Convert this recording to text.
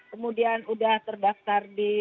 kemudian udah terdaftar di